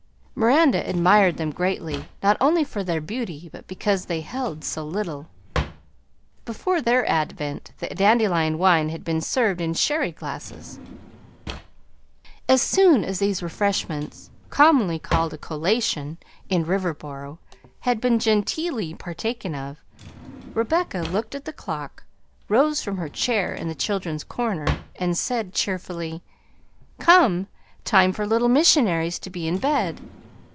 Miranda admired them greatly, not only for their beauty but because they held so little. Before their advent the dandelion wine had been served in sherry glasses. As soon as these refreshments commonly called a "colation" in Riverboro had been genteelly partaken of, Rebecca looked at the clock, rose from her chair in the children's corner, and said cheerfully, "Come! time for little missionaries to be in bed!"